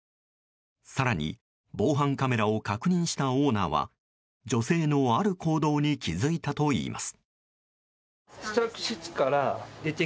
更に、防犯カメラを確認したオーナーは女性の、ある行動に気付いたといいます。